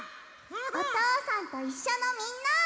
「おとうさんといっしょ」のみんな！